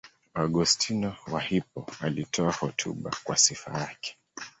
Augustino wa Hippo alitoa hotuba kwa sifa yake.